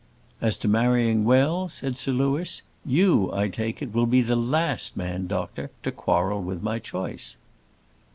"As to marrying well," said Sir Louis, "you, I take it, will be the last man, doctor, to quarrel with my choice."